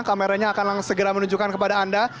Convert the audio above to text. kameranya akan segera menunjukkan kepada anda